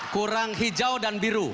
kurang hijau dan biru